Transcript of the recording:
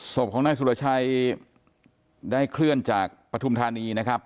ศพของหน้ายุฏไชยได้เคลื่อนจากพระธุมธานีนะครับ